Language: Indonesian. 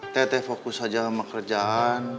teh teh fokus aja sama kerjaan